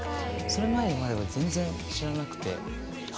それまでは全然知らなくて。